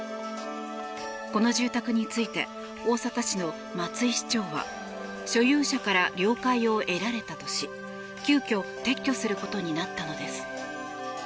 この住宅について大阪市の松井市長は所有者から了解を得られたとし急きょ撤去することになったのです。